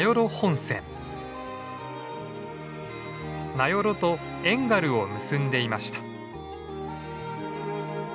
名寄と遠軽を結んでいました。